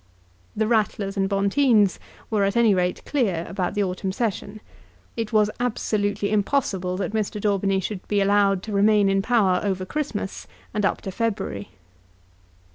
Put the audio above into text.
The Ratlers and Bonteens were at any rate clear about the autumn Session. It was absolutely impossible that Mr. Daubeny should be allowed to remain in power over Christmas, and up to February.